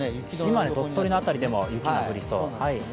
島根、鳥取の辺りでも雪が降りそう。